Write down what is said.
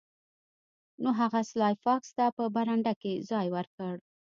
نو هغه سلای فاکس ته په برنډه کې ځای ورکړ